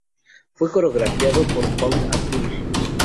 Fue coreografiado por Paula Abdul.